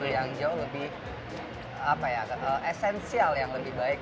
yang jauh lebih apa ya esensial yang lebih baik